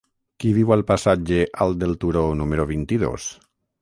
Qui viu al passatge Alt del Turó número vint-i-dos?